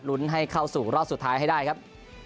ให้เข้าสู่รอบสุดท้ายให้ได้ครับ